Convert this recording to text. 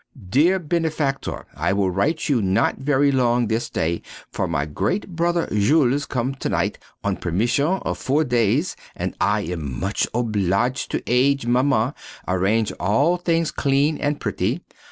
Dear benefactor, I will write you not very long this day, for my great brother Jules come tonight on permission of four days, and I am much occupied to aid Maman arrange all things clean and pretty.